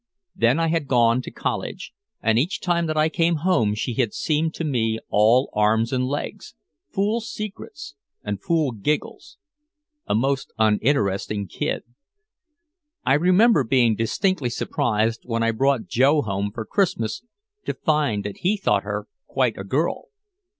Then I had gone to college, and each time that I came home she had seemed to me all arms and legs, fool secrets and fool giggles a most uninteresting kid. I remember being distinctly surprised when I brought Joe home for Christmas to find that he thought her quite a girl.